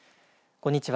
こんにちは。